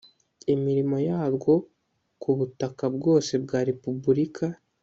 imirimo yarwo ku butaka bwose bwa Repubulika